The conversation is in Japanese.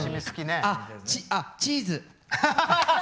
あチーズ。